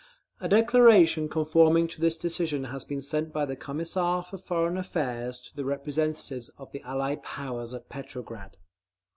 A declaration conforming to this decision has been sent by the Commissar for Foreign Affairs to the representatives of the Allied powers at Petrograd.